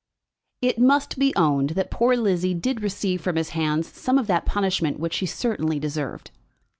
It must be owned that poor Lizzie did receive from his hands some of that punishment which she certainly deserved.